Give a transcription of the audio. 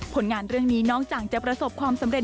ผลงานเรื่องนี้นอกจากจะประสบความสำเร็